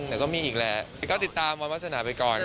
เดี๋ยวก็มีอีกแล้วก็ติดตามวันวัฒนาไปก่อนค่ะ